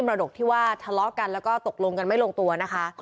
รดกที่ว่าทะเลาะกันแล้วก็ตกลงกันไม่ลงตัวนะคะ